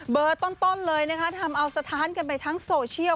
เบอร์ต้นเลยนะคะทำเอาสะท้านกันไปทั้งโซเชียล